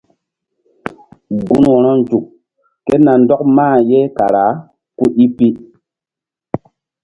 Gun wo̧ronzuk ké na ndɔk mah ye kara ku i pi.